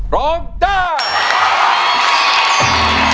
ร้องได้